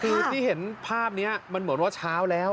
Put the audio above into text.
คือที่เห็นภาพนี้มันเหมือนว่าเช้าแล้ว